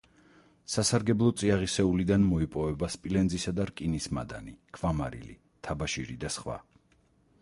სასარგებლო წიაღისეულიდან მოიპოვება სპილენძისა და რკინის მადანი, ქვამარილი, თაბაშირი და სხვა.